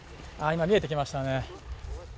今、見えてきましたね。